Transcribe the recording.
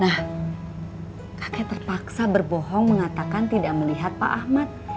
nah kakek terpaksa berbohong mengatakan tidak melihat pak ahmad